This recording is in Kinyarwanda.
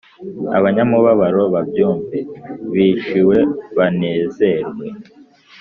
Abanyamubabaro babyumve bishiwe banezerwe